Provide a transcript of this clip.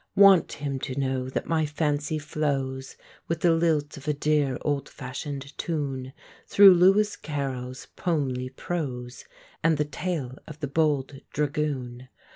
Want him to know that my fancy flows, With the lilt of a dear old fashioned tune, Through "Lewis Carroll's" poemly prose, And the tale of "The Bold Dragoon."